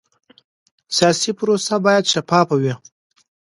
سیاسي پروسه باید شفافه وي